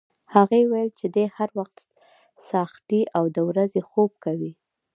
هغې ویل چې دی هر وخت څاښتي او د ورځې خوب کوي.